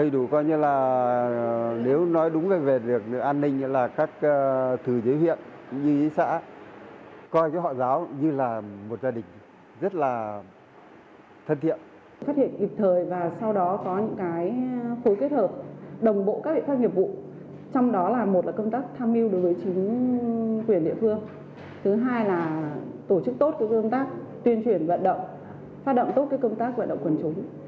tuyên truyền vận động phát động tốt công tác vận động quần chúng